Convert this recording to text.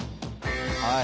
はい。